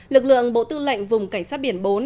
lực lượng bộ tư lệnh vùng cảnh sát biển bốn